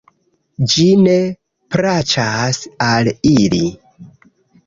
Ĝi ne plaĉas al ili.